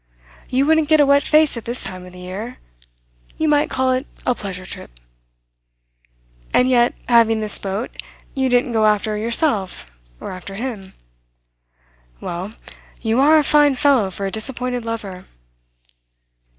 You wouldn't get a wet face at this time of the year. You might call it a pleasure trip." "And yet, having this boat, you didn't go after her yourself or after him? Well, you are a fine fellow for a disappointed lover."